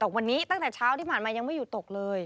วันนี้ตั้งแต่เช้าที่ผ่านมายังไม่หยุดตกเลย